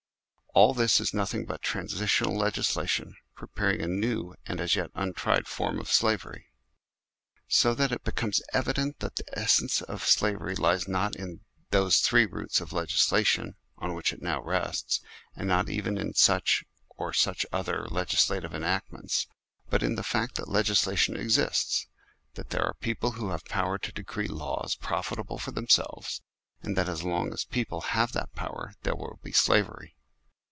All this is nothing but transitional legalisa tion preparing a new and as yet untried form of slavery. So that it becomes evident that the essence of slavery lies not in those three roots of legisla tion on which it now rests, and not even in such, or such other, legislative enactments, but in the fact that legislation exists that there are people who have power to decree laws profitable for themselves, and that as long as people have that power there will be slavery.